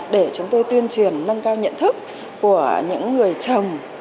để chúng tôi tuyên truyền nâng cao nhận thức của những người vợ những người chị trong gia đình